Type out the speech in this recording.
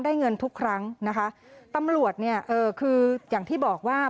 ได้เงินทุกครั้งตำรวจอย่างที่บอกว่า